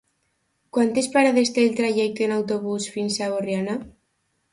Quantes parades té el trajecte en autobús fins a Borriana?